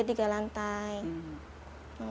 di gantian di gantian